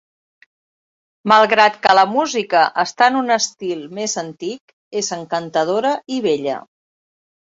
Malgrat que la música està en un estil més antic, és encantadora i bella.